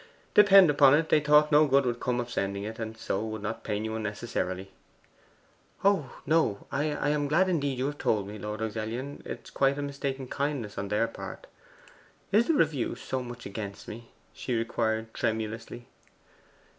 Depend upon it they thought no good would come of sending it, and so would not pain you unnecessarily.' 'Oh no; I am indeed glad you have told me, Lord Luxellian. It is quite a mistaken kindness on their part. Is the review so much against me?' she inquired tremulously.